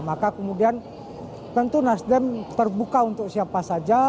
maka kemudian tentu nasdem terbuka untuk siapa saja